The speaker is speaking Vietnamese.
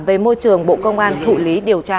về môi trường bộ công an thụ lý điều tra